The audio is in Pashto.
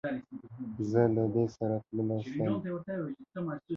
زه له ده سره تللای سم؟